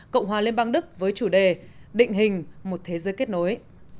cộng hòa liên bang đức với chủ đề định hình một thế giới kết nối